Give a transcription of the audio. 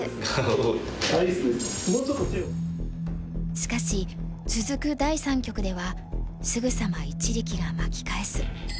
しかし続く第三局ではすぐさま一力が巻き返す。